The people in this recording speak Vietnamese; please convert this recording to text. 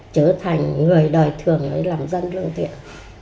trở thành người đời thường để làm dân lương thiện